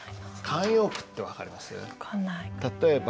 慣用句って分かります？